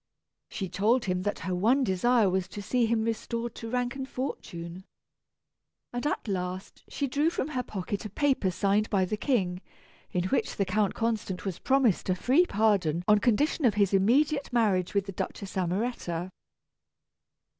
She told him that her one desire was to see him restored to rank and fortune. And at last she drew from her pocket a paper signed by the King, in which the Count Constant was promised a free pardon on condition of his immediate marriage with the Duchess Amoretta.